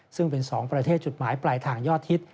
ซึ่งเป็น๒ประเทศจุดหมายปลายทางยอดฮิต